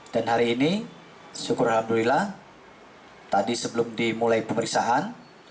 dan hari ini syukur alhamdulillah tadi sebelum dimulai pemeriksaan